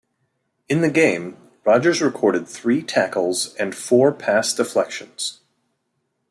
In the game, Rogers recorded three tackles and four pass deflections.